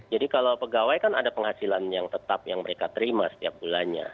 jadi kalau pegawai kan ada penghasilan yang tetap yang mereka terima setiap bulannya